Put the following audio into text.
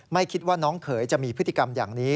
ไม่คิดว่าน้องเขยจะมีพฤติกรรมอย่างนี้